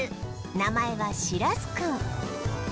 名前はしらすくん